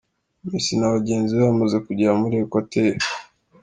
Messi na bagenzi be bamaze kugera muri Ecuateur.